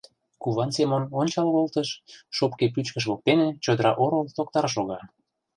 Куван Семон ончал колтыш, шопке пӱчкыш воктене чодыра орол Токтар шога.